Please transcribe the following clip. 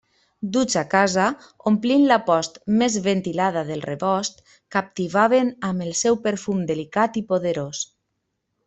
Duts a casa, omplint la post més ventilada del rebost, captivaven amb el seu perfum delicat i poderós.